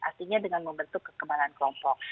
artinya dengan membentuk kekebalan kelompok